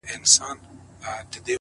o هو رشتيا؛